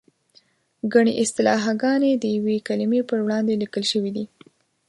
ګڼې اصطلاحګانې د یوې کلمې په وړاندې لیکل شوې دي.